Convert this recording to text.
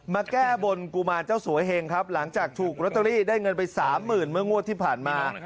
แก้บนกุมารเจ้าสวยเห็งครับหลังจากถูกลอตเตอรี่ได้เงินไปสามหมื่นเมื่องวดที่ผ่านมา